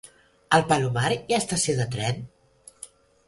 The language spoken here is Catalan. A el Palomar hi ha estació de tren?